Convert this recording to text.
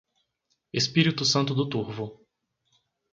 Espírito Santo do Turvo